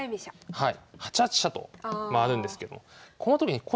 はい。